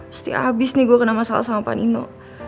pasti abis nih gue kena masalah sama panino